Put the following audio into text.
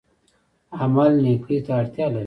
عمل نیکۍ ته اړتیا لري